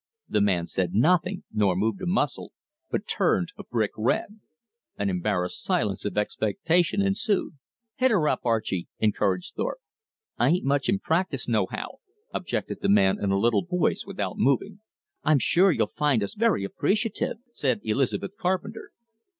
The man said nothing, nor moved a muscle, but turned a brick red. An embarrassed silence of expectation ensued. "Hit her up, Archie," encouraged Thorpe. "I ain't much in practice no how," objected the man in a little voice, without moving. "I'm sure you'll find us very appreciative," said Elizabeth Carpenter.